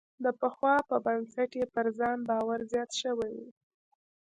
د پخوا په نسبت یې پر ځان باور زیات شوی و.